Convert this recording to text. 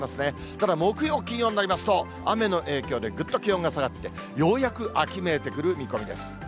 ただ木曜、金曜になりますと、雨の影響でぐっと気温が下がって、ようやく秋めいてくる見込みです。